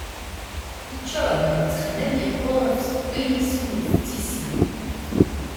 Iccuɛben ttexmam yeqruref seg wayen isummet d tissi.